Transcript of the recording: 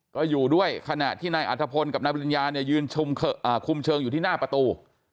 ก็อยู่ด้วยขณะที่นายอัธพลกับนายปริญญาเนี่ยยืนคุมเชิงอยู่ที่หน้าประตู